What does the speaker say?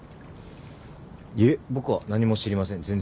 いえ僕は何も知りません。